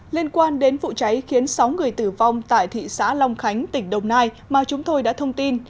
liên quan đến vụ cháy khiến sáu người tử vong tại thị xã long khánh tỉnh đồng nai mà chúng tôi đã thông tin